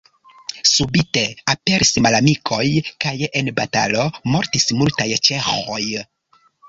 Subite aperis malamikoj kaj en batalo mortis multaj ĉeĥoj.